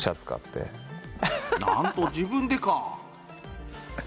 なんと自分でか！